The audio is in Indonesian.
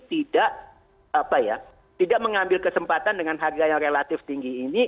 tidak mengambil kesempatan dengan harga yang relatif tinggi ini